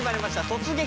「突撃！